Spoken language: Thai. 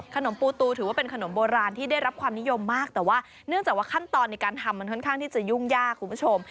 ปูตูถือว่าเป็นขนมโบราณที่ได้รับความนิยมมากแต่ว่าเนื่องจากว่าขั้นตอนในการทำมันค่อนข้างที่จะยุ่งยากคุณผู้ชม